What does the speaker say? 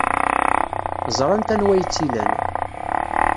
Ẓrant anwa ay tt-ilan.